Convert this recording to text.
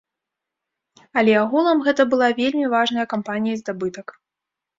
Але агулам гэта была вельмі важная кампанія і здабытак.